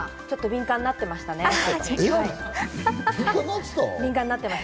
ちょっと敏感になってましたね。